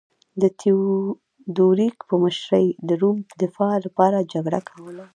د تیودوریک په مشرۍ د روم دفاع لپاره جګړه کوله